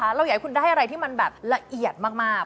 เราอยากให้คุณได้อะไรที่มันแบบละเอียดมาก